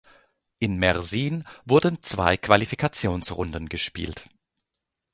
In Mersin wurden zwei Qualifikationsrunden gespielt.